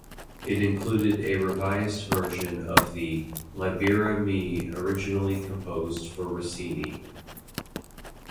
It included a revised version of the "Libera me" originally composed for Rossini.